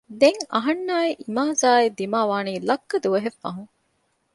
ދެން އަހަންނާއި އިމާޒާއި ދިމާވާނީ ލައްކަ ދުވަހެއް ފަހުން